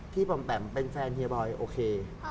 ปอมแปมเป็นแฟนเฮียบอยโอเค